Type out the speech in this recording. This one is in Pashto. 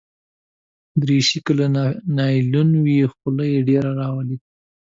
دریشي که له نایلون وي، خوله ډېره راولي.